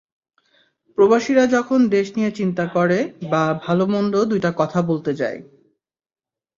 প্রবাসীরা যখন দেশ নিয়ে চিন্তা করে, বা ভাল মন্দ দুইটা কথা বলতে যায়।